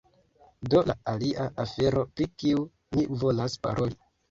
Do la alia afero, pri kiu mi volas paroli